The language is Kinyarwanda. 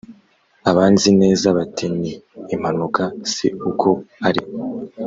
abanzi neza bati, ni impanuka si uko ari.